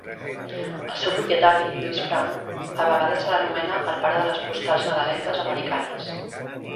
El seu propietari, Louis Prang, a vegades se l'anomena el pare de les postals Nadalenques americanes.